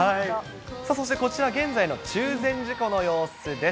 そしてこちら、現在の中禅寺湖の様子です。